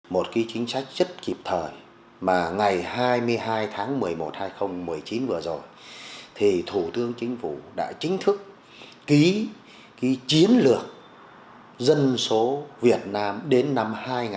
một cái chính sách rất kịp thời mà ngày hai mươi hai tháng một mươi một hai nghìn một mươi chín vừa rồi thì thủ tướng chính phủ đã chính thức ký cái chiến lược dân số việt nam đến năm hai nghìn hai mươi